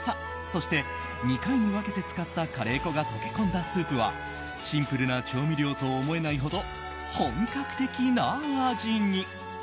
そして、２回に分けて使ったカレー粉が溶け込んだスープはシンプルな調味料と思えないほど本格的な味に。